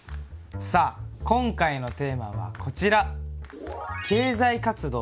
さあ今回のテーマはこちら。